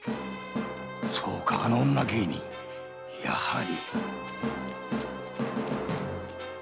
そうかあの女芸人やはり